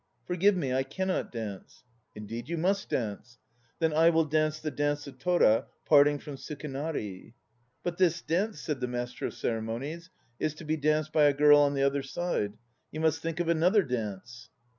"Forgive me, I cannot dance." "Indeed you must dance." "Then I will dance the 'Dance of Tora Parting from Sukenari.' " "But this dance," said the master of ceremonies, "is to be dai by a girl on the other side. You must think of another dance."